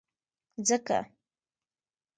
ځکه،